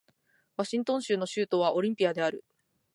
ワシントン州の州都はオリンピアである